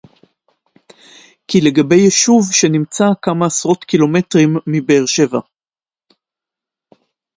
כי לגבי יישוב שנמצא כמה עשרות קילומטרים מבאר-שבע